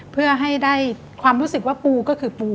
เพื่อให้ได้ความรู้สึกว่าปูก็คือปู